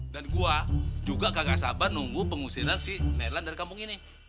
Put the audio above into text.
dan gua juga kagak sabar nunggu pengusiran si nelan dari kampung ini